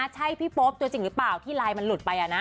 ใช่พี่โป๊ปตัวจริงหรือเปล่าที่ไลน์มันหลุดไป